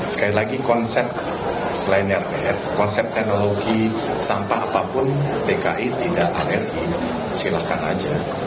sekali lagi konsep selain rtf konsep teknologi sampah apapun dki tidak alergi silahkan aja